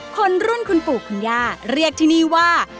คนรุ่นคุณปู่คุณย่าเรียกที่นี่ว่า